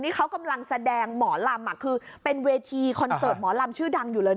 นี่เขากำลังแสดงหมอลำคือเป็นเวทีคอนเสิร์ตหมอลำชื่อดังอยู่เลยนะ